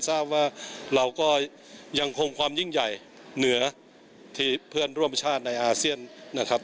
ทราบว่าเราก็ยังคงความยิ่งใหญ่เหนือที่เพื่อนร่วมชาติในอาเซียนนะครับ